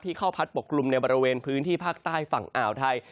เข้าพัดปกกลุ่มในบริเวณพื้นที่ภาคใต้ฝั่งอ่าวไทย